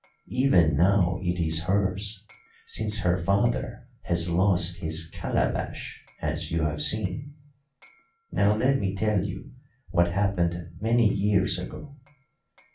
Even now it is hers, since her father has lost his calabash, as you have seen. Now let me tell you what happened many years ago.